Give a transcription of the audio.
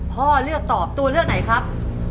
พ่อเลือกตอบตัวเลือกไหนครับ